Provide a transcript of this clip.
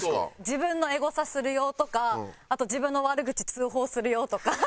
自分のエゴサする用とか自分の悪口通報する用とか。